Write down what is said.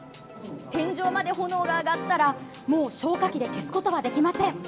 天井まで炎が上がったらもう消火器で消すことはできません。